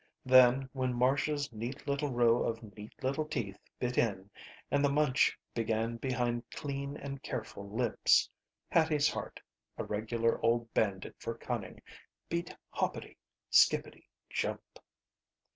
Then when Marcia's neat little row of neat little teeth bit in and the munch began behind clean and careful lips, Hattie's heart, a regular old bandit for cunning, beat hoppity, skippity, jump!